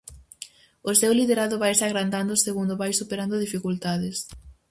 O seu liderado vaise agrandando segundo vai superando dificultades.